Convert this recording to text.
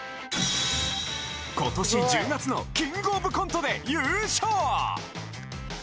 今年１０月の『キングオブコント』で優勝